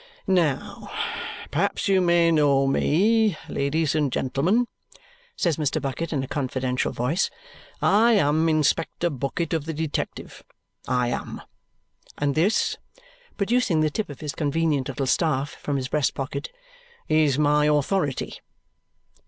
"Now, perhaps you may know me, ladies and gentlemen," says Mr. Bucket in a confidential voice. "I am Inspector Bucket of the Detective, I am; and this," producing the tip of his convenient little staff from his breast pocket, "is my authority.